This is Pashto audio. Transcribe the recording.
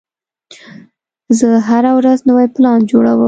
زه هره ورځ نوی پلان جوړوم.